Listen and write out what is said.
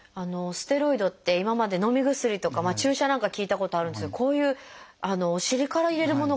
ステロイドって今までのみ薬とか注射なんかは聞いたことあるんですけどこういうお尻から入れるものがあるんですね。